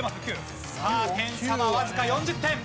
さあ点差はわずか４０点。